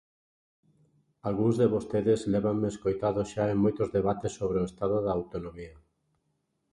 Algúns de vostedes lévanme escoitado xa en moitos debates sobre o estado da Autonomía.